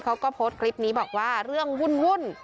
เขาก็โพสต์คลิปนี้บอกว่าเรื่องวุ่น